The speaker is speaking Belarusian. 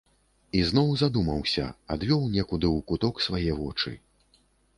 І зноў задумаўся, адвёў некуды ў куток свае вочы.